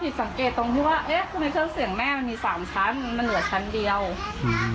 สังเกตตรงที่ว่าเอ๊ะทำไมเครื่องเสียงแม่มันมีสามชั้นมันมันเหลือชั้นเดียวอืม